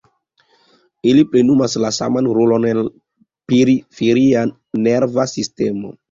Ili plenumas la saman rolon en la periferia nerva sistemo.